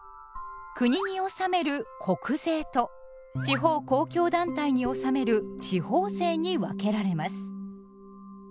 国に納める「国税」と地方公共団体に納める「地方税」に分けられます。